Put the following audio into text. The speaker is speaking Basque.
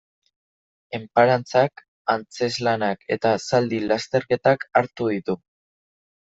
Enparantzak, antzezlanak eta zaldi lasterketak hartu ditu.